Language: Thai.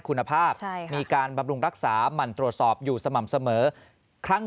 คุณภาพมีการบำรุงรักษาหมั่นตรวจสอบอยู่สม่ำเสมอครั้ง